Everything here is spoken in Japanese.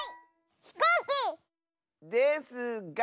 ひこうき！ですが。